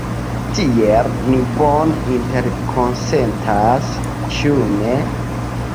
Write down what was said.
Tiel, ni bone interkonsentas, ĉu ne?